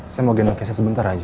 saya mau gendong keisha sebentar aja